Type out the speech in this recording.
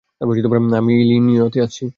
আমি ইলিনিয়তে আছি।